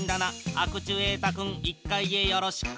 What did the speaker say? アクチュエータ君１階へよろしく。